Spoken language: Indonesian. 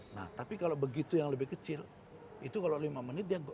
nah tapi kalau begitu yang lebih kecil itu kalau lima menit